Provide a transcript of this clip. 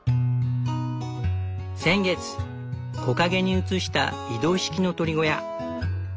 先月木陰に移した移動式の鶏小屋。